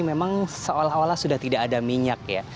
memang seolah olah sudah tidak ada minyak ya